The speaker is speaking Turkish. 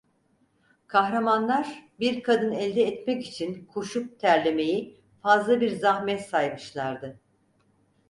Kahramanlar, bir kadın elde etmek için koşup terlemeyi fazla bir zahmet saymışlardı.